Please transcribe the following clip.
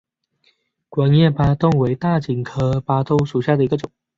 光叶巴豆为大戟科巴豆属下的一个种。